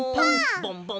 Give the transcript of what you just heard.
「ポン！ドン！」